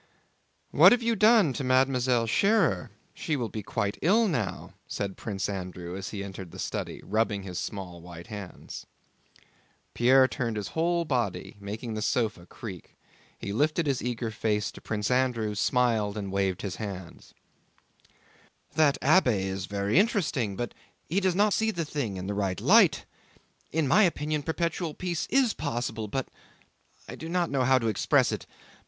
"What have you done to Mlle Schérer? She will be quite ill now," said Prince Andrew, as he entered the study, rubbing his small white hands. Pierre turned his whole body, making the sofa creak. He lifted his eager face to Prince Andrew, smiled, and waved his hand. "That abbé is very interesting but he does not see the thing in the right light.... In my opinion perpetual peace is possible but—I do not know how to express it